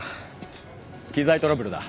機材トラブルだ。